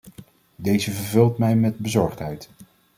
Deze vervult mij met bezorgdheid.